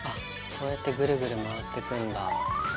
こうやってぐるぐる回ってくんだぁ。